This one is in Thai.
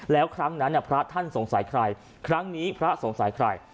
แล้วครั้งนั้นพระท่านสงสัยใครครั้งนี้พระสงสัยใคร